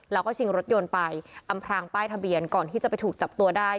แล้วก็ชิงรถยนต์ไปอำพรางป้ายทะเบียนก่อนที่จะไปถูกจับตัวได้